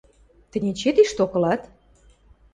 Тӹнь эче тишток ылат?